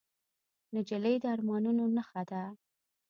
نجلۍ د ارمانونو نښه ده.